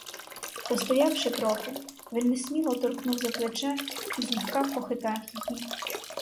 Постоявши трохи, він несміло торкнув за плече і злегка похитав її.